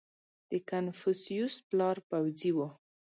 • د کنفوسیوس پلار پوځي و.